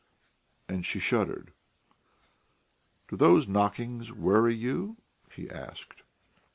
and she shuddered. "Do those knockings worry you?" he asked.